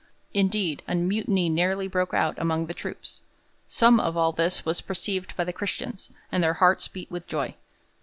Indeed, a mutiny nearly broke out among the troops. Some of all this was perceived by the Christians, and their hearts beat with joy.